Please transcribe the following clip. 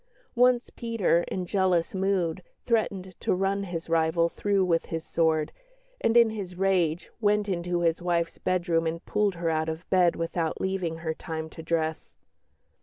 Once Peter, in jealous mood, threatened to run his rival through with his sword, and, in his rage, "went into his wife's bedroom and pulled her out of bed without leaving her time to dress."